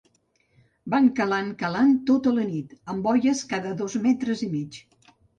Van calant calant, tota la nit, amb boies cada dos metres i mig.